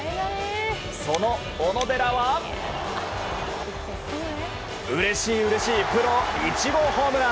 その小野寺はうれしいうれしいプロ１号ホームラン。